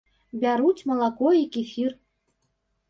Бяруць малако і кефір.